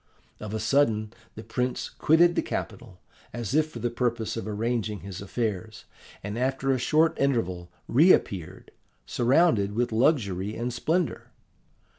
Of a sudden the prince quitted the capital, as if for the purpose of arranging his affairs, and after a short interval reappeared, surrounded with luxury and splendour.